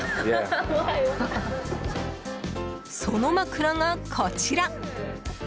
その枕がこちら。